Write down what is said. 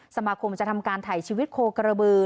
สมาคมจะทำการถ่ายชีวิตโคกระบือ